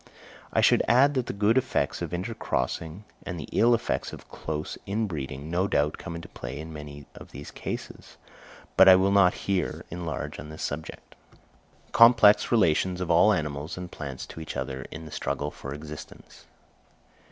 I should add that the good effects of intercrossing, and the ill effects of close interbreeding, no doubt come into play in many of these cases; but I will not here enlarge on this subject. _Complex Relations of all Animals and Plants to each other in the Struggle for Existence.